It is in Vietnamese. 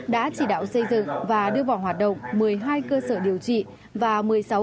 đã chỉ đạo xây dựng và đưa vào hoạt động một mươi hai cơ sở điều trị và một mươi sáu